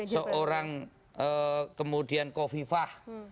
seorang kemudian kofifah